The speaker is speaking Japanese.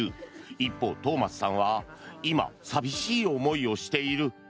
一方、トーマスさんは今寂しい思いをしている。